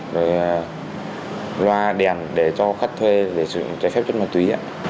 rồi ra đèn để cho khách thuê để sử dụng trái phép chất mà tuý